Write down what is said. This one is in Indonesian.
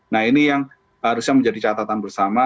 nah ini yang harusnya menjadi catatan bersama